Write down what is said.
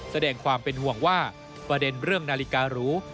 แสดงความเป็นห่วงว่าประเด็นเรื่องนาฬิการู